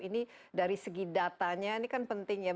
ini dari segi datanya ini kan penting ya